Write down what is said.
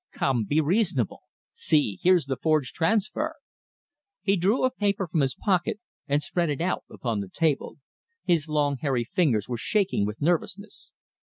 Come, be reasonable. See, here's the forged transfer." He drew a paper from his pocket and spread it out upon the table. His long, hairy fingers were shaking with nervousness.